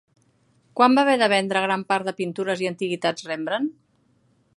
Quan va haver de vendre gran part de pintures i antiguitats Rembrandt?